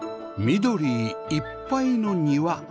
緑いっぱいの庭